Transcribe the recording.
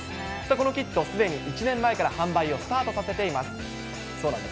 このキット、すでに１年前から販売をスタートさせています。